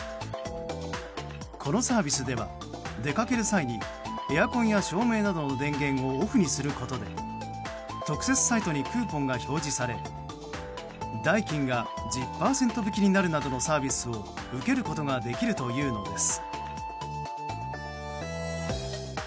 このサービスでは出かける際にエアコンや照明などの電源をオフにすることで特設サイトにクーポンが表示され代金が１０％引きになるなどのサービスを受けることができるというのです。